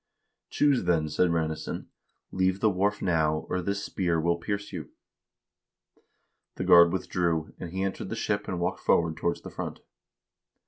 ' Choose then/ said Ranesson, ' leave the wharf now, or this spear will pierce you.' The guard withdrew, and he entered the ship and walked forward towards the front.